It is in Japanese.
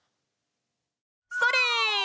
それ！